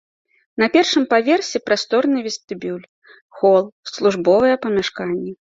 На першым паверсе прасторны вестыбюль, хол, службовыя памяшканні.